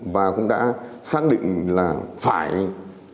và cũng đã xác định là phải đến được đối tượng cập đầu